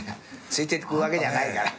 ついていくわけじゃないから。